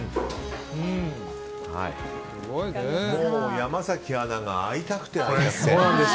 もう山崎アナが会いたくて会いたくて。